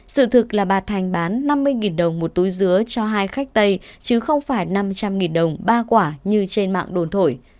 sự thực là bà thành bán năm mươi đồng một túi dứa cho hai khách tây chứ không phải năm trăm linh đồng ba quả như trên mạng đồn thổi